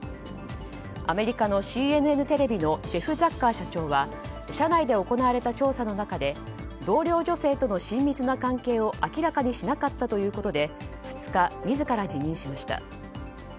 アメリカのＣＮＮテレビのジェフ・ザッカー社長は車内で行われた調査の中で同僚女性との親密な関係を明らかにしなかったということで２日、自ら辞任しました。